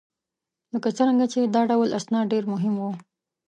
لکه څرنګه چې دا ډول اسناد ډېر مهم وه